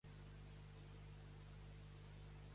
De què és la base?